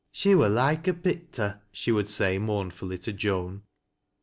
" She wur loike a pictur," she would say mournfully to Joan.